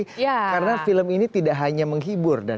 karena film ini tidak hanya menghibur